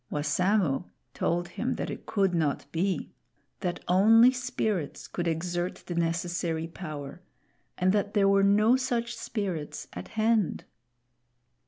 Wassamo told him that it could not be; that only spirits could exert the necessary power, and that there were no such spirits at hand.